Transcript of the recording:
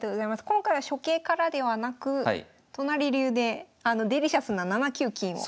今回は初形からではなく都成流であのデリシャスな７九金を。